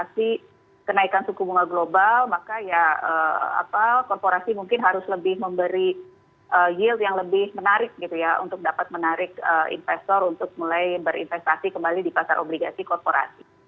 untuk dapat menarik investor untuk mulai berinvestasi kembali di pasar obligasi korporasi